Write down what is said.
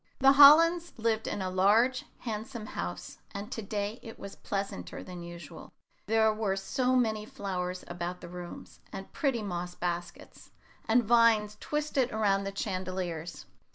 The Hollands lived in a large, handsome house, and to day it was pleasanter than usual, there were so many flowers about the rooms, and pretty moss baskets, and vines twisted around the chandeliers.